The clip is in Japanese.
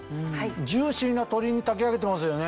ジューシーな鶏に炊き上げてますよね。